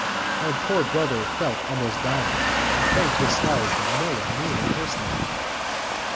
My poor brother felt almost dying, and thanked his stars that no one knew him personally.